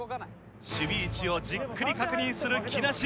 守備位置をじっくり確認する木梨。